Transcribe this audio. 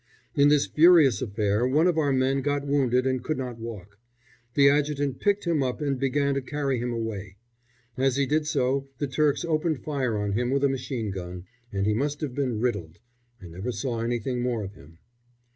In this furious affair one of our men got wounded and could not walk. The adjutant picked him up and began to carry him away. As he did so the Turks opened fire on him with a machine gun, and he must have been riddled I never saw anything more of him.